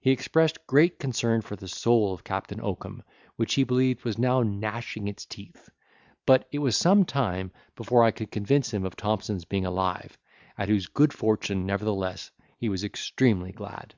He expressed great concern for the soul of Captain Oakum, which he believed was now gnashing its teeth; but it was some time before I could convince him of Thompson's being alive, at whose good fortune, nevertheless, he was extremely glad.